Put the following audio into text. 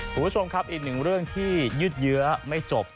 คุณผู้ชมครับอีกหนึ่งเรื่องที่ยืดเยื้อไม่จบ